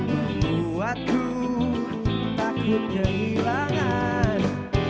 membuatku takut kehilangan